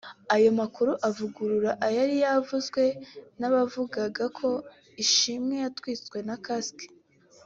Aya makuru avuguruza ayari yatanzwe n’abavugaga ko Ishimwe yatwitswe na ‘Casque’